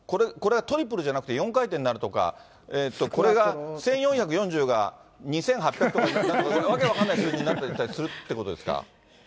これはトリプルじゃなくて４回転になるとか、これが、１４４０が２８００とか、訳分かんない数字になっていったりするということですか？